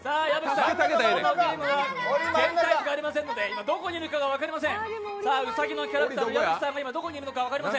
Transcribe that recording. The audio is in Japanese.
このゲームは全体図がありませんので今、どこにいるかが分かりません。